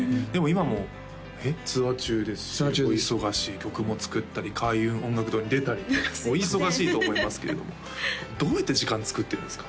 今もツアー中ですしお忙しい曲も作ったり開運音楽堂に出たりお忙しいと思いますけれどどうやって時間つくってるんですか？